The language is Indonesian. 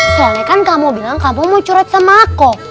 soalnya kan kamu bilang kamu mau curret sama aku